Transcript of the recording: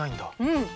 うん。